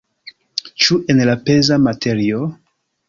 Ĉu en la peza materio?